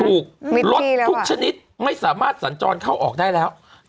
ถูกรถทุกชนิดไม่สามารถสัญจรเข้าออกได้แล้วมิตรมีแล้ววะ